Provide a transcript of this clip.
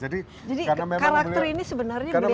jadi karakter ini sebenarnya beliau ini